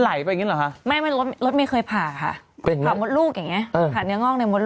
ไหลไปอย่างงี้หรอฮะไม่ไม่รถรถไม่เคยผ่าค่ะเป็นผ่ามดลูกอย่างงี้